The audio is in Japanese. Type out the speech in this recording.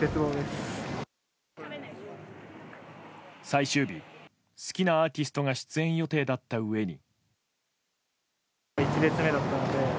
最終日、好きなアーティストが出演予定だったうえに。